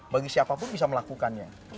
bagi siapapun bisa melakukannya